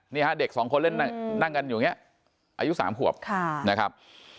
นี่ฮะเด็กสองคนเล่นนั่งกันอยู่อย่างนี้อายุ๓ขวบนะครับ